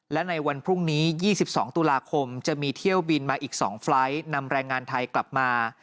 และในวันพรุ่งนี้๒๒ตุลาคมจะมีเที่ยวบินมาอีก๒ไฟล์ทนำแรงงานไทยกลับมา